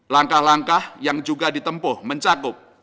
langkah langkah yang juga ditempuh mencakup